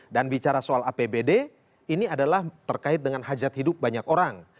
dan bicara soal apbd ini adalah terkait dengan hajat hidup banyak orang